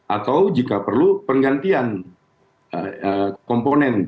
atau jika perlu penggantian komponen